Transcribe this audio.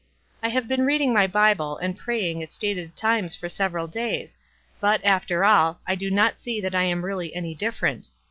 I have been reading my Bible and praying at stated times for several days, but, after all, I do not see that I am really any dif ferent.